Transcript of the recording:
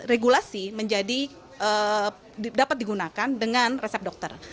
regulasi menjadi dapat digunakan dengan resep dokter